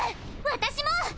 私も！